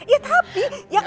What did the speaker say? ya tapi yang